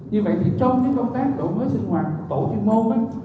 như vậy thì trong những công tác đổi mới sinh hoạt tổ chuyên môn